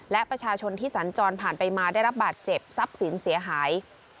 และประชาชนที่สัญจรผ่านไปมาได้รับบาดเจ็บทรัพย์สินเสียหาย